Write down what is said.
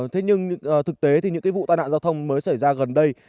thế nhưng thực tế thì những cái vụ tai nạn giao thông mới xảy ra gần đây